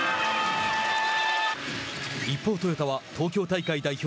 一方トヨタは東京大会代表